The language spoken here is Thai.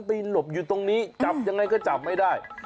หลบอยู่ตรงนี้จับยังไงก็จับไม่ได้